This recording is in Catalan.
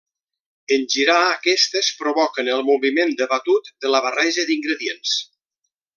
En girar, aquestes provoquen el moviment de batut de la barreja d'ingredients.